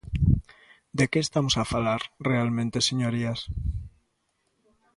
¿De que estamos a falar realmente, señorías?